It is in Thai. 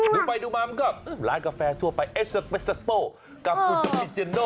ดูไปดูมามันก็ร้านกาแฟทั่วไปเอสเซอร์เบสเตอร์กับกุจิเจียโน